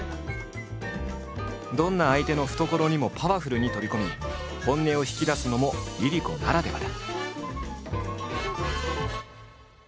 どんな相手の懐にもパワフルに飛び込み本音をひきだすのもＬｉＬｉＣｏならではだ。